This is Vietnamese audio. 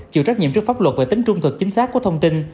chịu trách nhiệm trước pháp luật về tính trung thực chính xác của thông tin